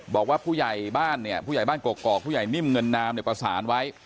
บอกว่าผู้ใหญ่บ้านเนี่ยผู้ใหญ่บ้านกอกผู้ใหญ่นิ่มเงินนามเนี่ยประสานไว้